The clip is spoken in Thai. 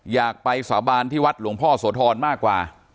อยากไปสาบานที่วัดหลวงพ่อโสธรมากกว่า